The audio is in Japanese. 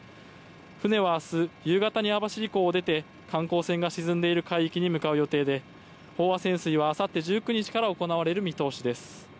船は明日夕方に網走港を出て観光船が沈んでいる海域に向かう予定で飽和潜水はあさって１９日から行われる見通しです。